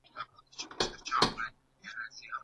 هغه د ښار او کلي زده کړې توازن ساته.